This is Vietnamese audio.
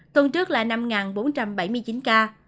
tuần trước là năm bốn trăm bảy mươi chín ca